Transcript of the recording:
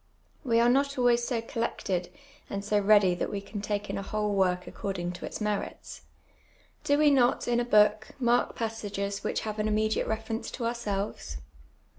We ai'e not always so collected and so ready that we can take in a whole work according to its merits. Do we not, in a book, mark passages which have an immediate reference to ourselves